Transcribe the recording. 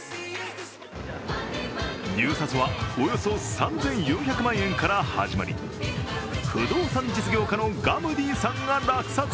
入札はおよそ３４００万円から始まり不動産実業家のガムディさんが落札。